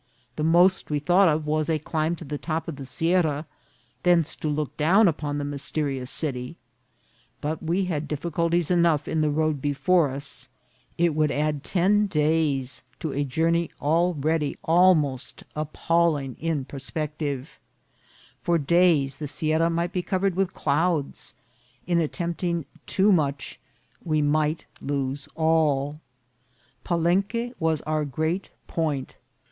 The most we thought of was a climb to the top of the sierra, thence to look down upon the mysterious city ; but we had difficulties enough in the road before us ; it would add ten days to a journey al ready almost appalling in prospective ; for days the si erra might be covered with clouds ; in attempting too much we might lose all ; Palenque was our great point, INCIDENTS OP TRAVEL.